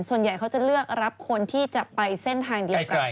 ส่วนใหญ่เขาจะเลือกรับคนที่จะไปเส้นทางเดียวกัน